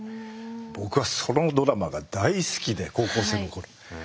僕はそのドラマが大好きで高校生の頃。